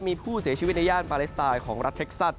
มีผู้เสียชีวิตในย่านปาเลสไตน์ของรัฐเท็กซัส